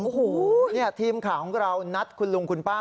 โอ้โหนี่ทีมข่าวของเรานัดคุณลุงคุณป้า